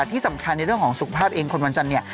ที่สำคัญในเรื่องของสุขภาพเองคนวันจันทร์เนี่ย